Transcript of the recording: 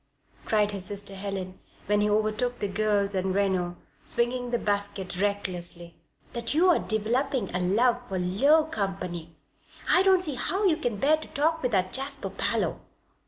cried his sister Helen, when he overtook the girls and Reno, swinging the basket recklessly, "that you are developing a love for low company. I don't see how you can bear to talk with that Jasper Parloe."